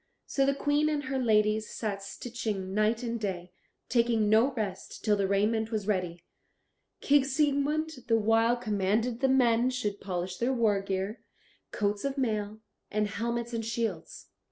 So the Queen and her ladies sat stitching night and day, taking no rest till the raiment was ready. King Siegmund the while commanded that the men should polish their war gear, coats of mail, and helmets, and shields.